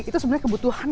itu sebenarnya kebutuhan